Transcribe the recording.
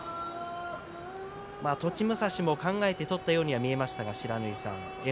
栃武蔵も考えて相撲を取ったように見えました。